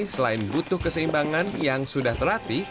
selain butuh keseimbangan yang sudah terlatih